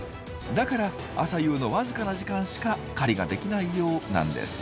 だから朝夕の僅かな時間しか狩りができないようなんですよ。